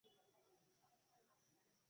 তোমাদের চেয়ে এই মেয়েটি শতগুণে ভাল।